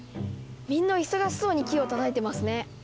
みんな忙しそうにキーを叩いてますね。